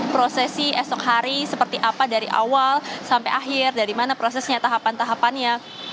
prosesi esok hari seperti apa dari awal sampai akhir dari mana prosesnya tahapan tahapannya